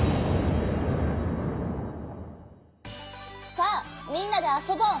さあみんなであそぼう。